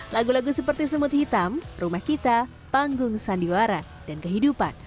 lagu lagu seperti semut hitam rumah kita panggung sandiwara dan kehidupan